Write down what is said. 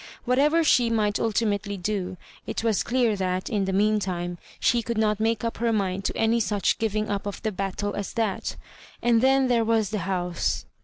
Whatever she might ultimately do, it was clear that, in the mean time, she could not make up her miud to any such giving up of the battle as that And then there was the house.